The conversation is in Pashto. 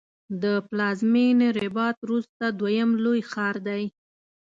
د پلازمېنې رباط وروسته دویم لوی ښار دی.